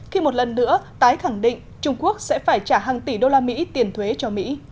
khi một lần nữa tái khẳng định trung quốc sẽ phải trả hàng tỷ đô la mỹ tiền thuế cho mỹ